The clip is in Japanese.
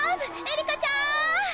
エリカちゃーん！